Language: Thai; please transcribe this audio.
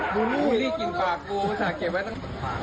บุรีบุรีกลิ่นปากกูถ้าเก็บไว้ต้องปล่อย